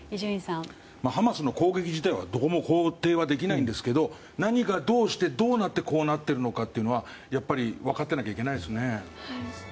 ハマスの攻撃自体はどこも肯定はできないんですが何がどうしてどうなってこうなってるのかというのはやっぱり分かってなきゃいけないですね。